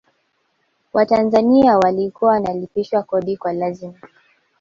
watanzania walikuwa wanalipishwa kodi kwa lazima